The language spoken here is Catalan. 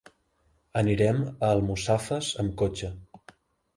Anirem a Almussafes amb cotxe.